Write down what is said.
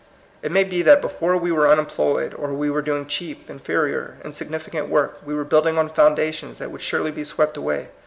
It may be that before we were unemployed, or we were doing cheap, inferior, insignificant work; we were building on foundations that would surely be swept away.